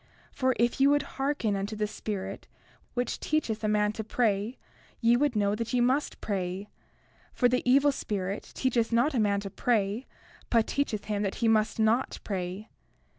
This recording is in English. For if ye would hearken unto the Spirit which teacheth a man to pray ye would know that ye must pray; for the evil spirit teacheth not a man to pray, but teacheth him that he must not pray.